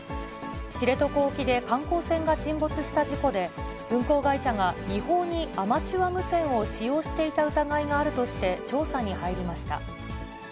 知床沖で観光船が沈没した事故で、運航会社が違法にアマチュア無線を使用していた疑いがあるとして、調査に入りました。